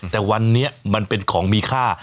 แต่วันนี้มันเป็นของมีค่า